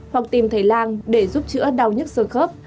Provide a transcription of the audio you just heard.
hoặc tìm thầy lang để giúp chữa đau nhức sơ khớp